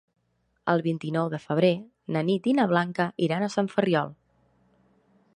El vint-i-nou de febrer na Nit i na Blanca iran a Sant Ferriol.